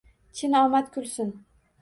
Chin omad kulsin!